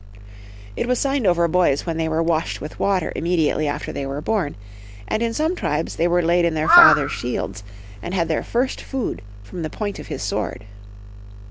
It was signed over boys when they were washed with water imme diately after they were born ; and in some tribes they were laid in their father's shields, and had their first food from the point of his sword.